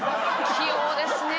器用ですね。